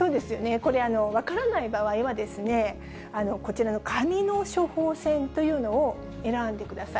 これ、分からない場合は、こちらの紙の処方箋というのを選んでください。